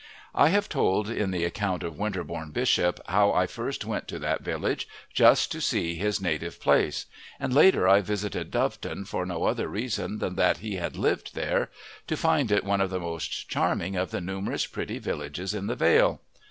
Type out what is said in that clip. I have told in the account of Winterbourne Bishop how I first went to that village just to see his native place, and later I visited Doveton for no other reason than that he had lived there, to find it one of the most charming of the numerous pretty villages in the vale.